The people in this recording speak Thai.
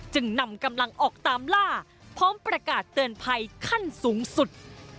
จึงนำกำลังออกตามล่าพร้อมประกาศเตือนภัยขั้นสูงสุด